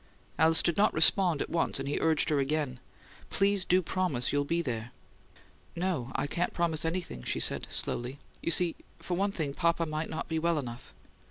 Alice did not respond at once, and he urged her again: "Please do promise you'll be there." "No, I can't promise anything," she said, slowly. "You see, for one thing, papa might not be well enough."